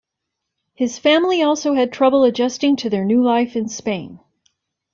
His family also had trouble adjusting to their new life in Spain.